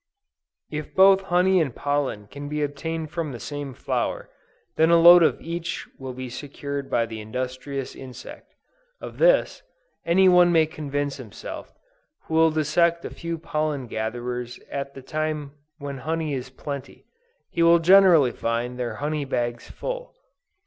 If both honey and pollen can be obtained from the same flower, then a load of each will be secured by the industrious insect. Of this, any one may convince himself, who will dissect a few pollen gatherers at the time when honey is plenty: he will generally find their honey bags full.